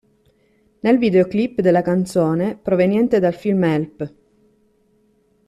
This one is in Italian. Nel videoclip della canzone, proveniente dal film "Help!